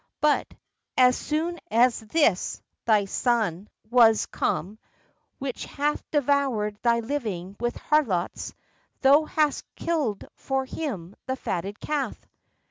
But as soon as this thy son was come, which hath devoured thy living with harlots, thou hast killed for him the fatted calf."